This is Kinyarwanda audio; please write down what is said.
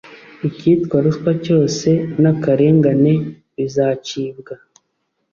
Icyitwa ruswa cyose n’akarengane bizacibwa,